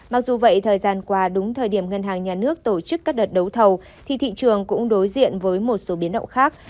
mặc dù vậy thời gian qua đúng thời điểm ngân hàng nhà nước tổ chức các đợt đấu thầu thì thị trường cũng đối diện với một số biến động khác